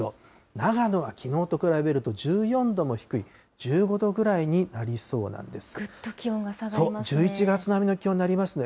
長野はきのうと比べると１４度も低い１５度ぐらいになりそうなんぐっと気温が下がりますね。